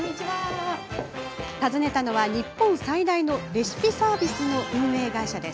訪ねたのは、日本最大のレシピサービスの運営会社。